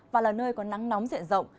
và là nơi có nắng nóng diện rộng